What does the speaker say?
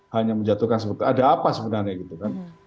hanya menjatuhkan seperti ada apa sebenarnya gitu kan